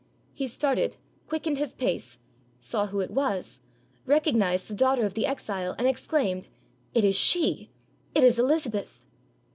He started, quick ened his pace, saw who it was, recognized the daughter of the exile, and exclaimed, "It is she, it is Elizabeth!"